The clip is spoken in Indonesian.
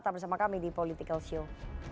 tetap bersama kami di political show